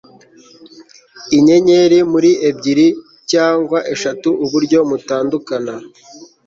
Inyenyeri muri ebyiri cyangwa eshatu uburyo mutandukana